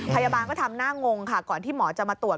พยาบาลก็ทำหน้างงค่ะก่อนที่หมอจะมาตรวจ